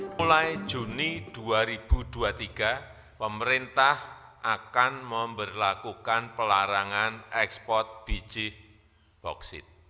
mulai juni dua ribu dua puluh tiga pemerintah akan memperlakukan pelarangan ekspor biji bauksit